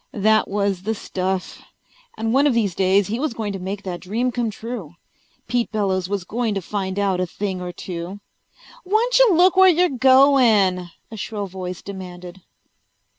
That was the stuff! And one of these days he was going to make that dream come true. Pete Bellows was going to find out a thing or two. "Whyncha look where you're goin'?" a shrill voice demanded.